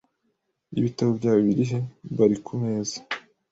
"Ibitabo byawe biri he?" "Bari ku meza."